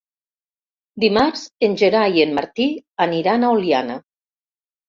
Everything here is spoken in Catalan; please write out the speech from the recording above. Dimarts en Gerard i en Martí aniran a Oliana.